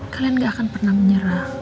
kalian gak akan pernah menyerang